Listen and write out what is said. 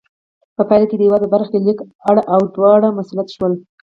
په پایله کې د هېواد په برخه لیک کې اړ او دوړ مسلط شول.